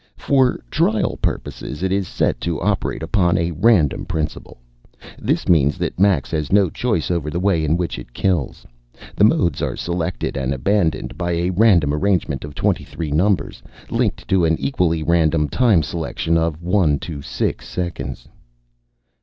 For trial purposes, it is set to operate upon a random principle. This means that Max has no choice over the way in which it kills. The modes are selected and abandoned by a random arrangement of twenty three numbers, linked to an equally random time selection of one to six seconds."